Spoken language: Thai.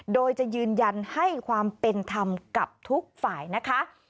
โดยจะยืนยันให้ความเป็นธรรมกับทุกฝ่ายนะคะ